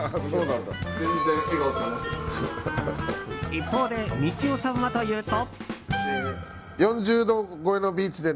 一方でみちおさんはというと。